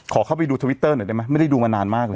ขอเข้าไปดูทวิตเตอร์หน่อยได้ไหมไม่ได้ดูมานานมากเลย